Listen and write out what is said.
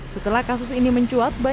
setelah kasus ini mencuat